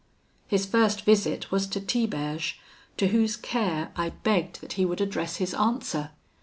"His first visit was to Tiberge, to whose care I begged that he would address his answer.